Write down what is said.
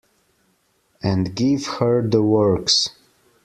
And give her the works.